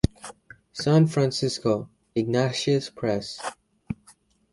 San Francisco: Ignatius Press.